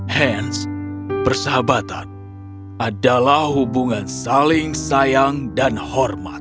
hans persahabatan adalah hubungan saling sayang dan hormat